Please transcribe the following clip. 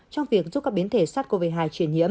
trong việc giúp các biến thể sars cov hai chuyển nhiễm